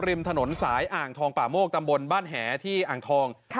ริมถนนสายอ่างทองป่าโมกตำบลบ้านแหที่อ่างทอง